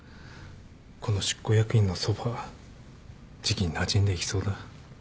この執行役員のソファじきになじんでいきそうだ。